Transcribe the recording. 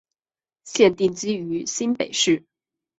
现定居于新北市。